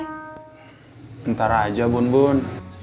bentar aja bun bun